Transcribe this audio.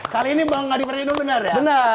kali ini bang adipra ini bener ya